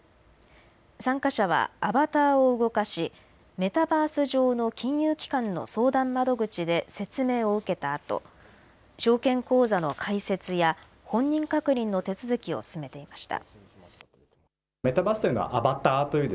参加者はアバターを動かしメタバース上の金融機関の相談窓口で説明を受けたあと、証券口座の開設や本人確認の手続きを進めていました。